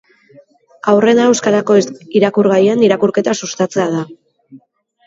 Aurrena euskarazko irakurgaien irakurketa sustatzea da.